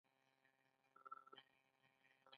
سوداګرو دلته خپل درمل پر نورو سوداګرو پلورل.